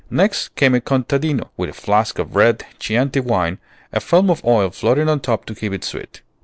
Next came a contadino with a flask of red Chianti wine, a film of oil floating on top to keep it sweet.